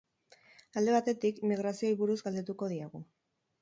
Alde batetik, migrazioei buruz galdetuko diegu.